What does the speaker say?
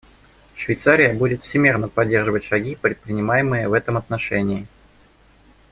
Швейцария будет всемерно поддерживать шаги, предпринимаемые в этом отношении.